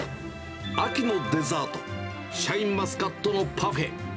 秋のデザート、シャインマスカットのパフェ。